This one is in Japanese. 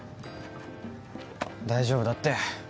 大丈夫だって。